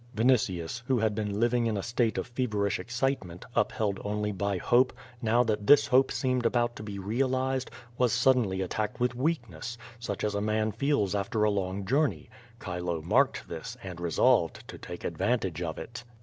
Vinitius, who had been living in a state of feverish excite ment, upheld only by hope, now that this hope seemed about to be realized, was suddenly attacked with weakness, such as a man feels after a long journey. Chilo marked this, and resolved to take advantage of it.